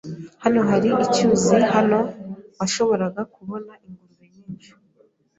Hano hari icyuzi hano washoboraga kubona ingurube nyinshi.